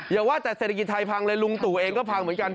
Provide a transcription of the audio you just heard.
อย่าว่าแต่เศรษฐกิจไทยพังเลยลุงตู่เองก็พังเหมือนกัน